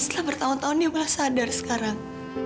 setelah bertahun tahunnya malah sadar sekarang